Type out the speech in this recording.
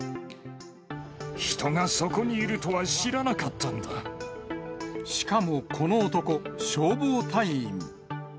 人がそこにいるとは知らなかしかもこの男、消防隊員。